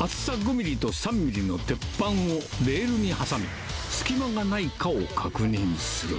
厚さ５ミリと３ミリの鉄板をレールに挟み、隙間がないかを確認する。